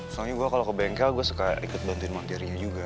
soalnya gue kalau ke bengkel gue suka ikut bantuin materinya juga